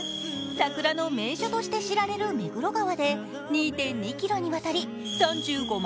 桜の名所として知られる目黒川で２．２ｋｍにわたり３５万